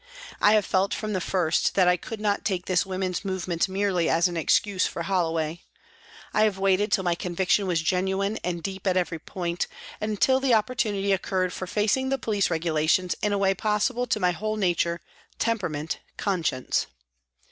I have felt from the first that I could not take this woman's movement merely as an excuse for Holloway. I have waited till my conviction was genuine and deep at every point, and till the opportunity occurred for facing the police regulations in a way possible to my whole nature, temperament, conscience.